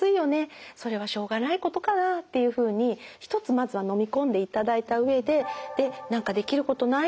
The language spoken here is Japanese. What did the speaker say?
それはしょうがないことかなっていうふうに一つまずは飲み込んでいただいた上で何かできることない？